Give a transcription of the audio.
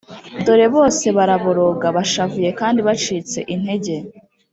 dore bose baraboroga, bashavuye kandi bacitse intege,